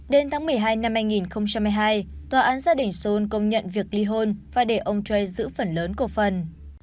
đến tháng một mươi hai năm hai nghìn hai mươi hai tòa án gia đình seoul công nhận việc ly hôn và để ông trai giữ phần lớn cổ phần